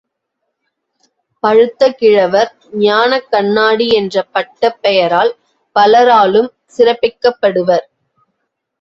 பழுத்த கிழவர், ஞானக்கண்ணாடி என்ற பட்டப் பெயரால் பலராலும் சிறப்பிக்கப்படுபவர்.